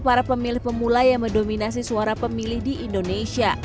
para pemilih pemula yang mendominasi suara pemilih di indonesia